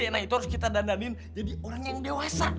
nah itu harus kita dandanin jadi orang yang dewasa